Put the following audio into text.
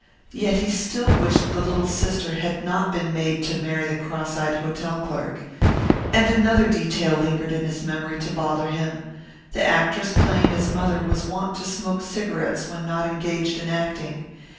Yet he still wished the little sister had not been made to marry the cross eyed hotel clerk. And another detail lingered in his memory to bother him. The actress playing his mother was wont to smoke cigarettes when not engaged in acting.